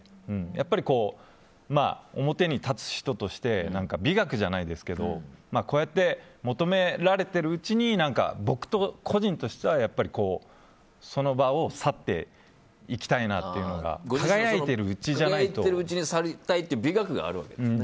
やっぱり、表に立つ人として美学じゃないですけどこうやって求められているうちに僕個人としては、その場を去っていきたいなというのが。輝いているうちにという美学があるんですね。